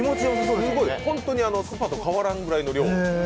本当にスパと変わらんぐらいの量。